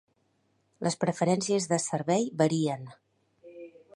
Les preferències de servei varien.